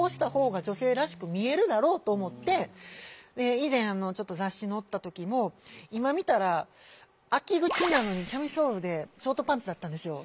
以前雑誌に載った時も今見たら秋口なのにキャミソールでショートパンツだったんですよ。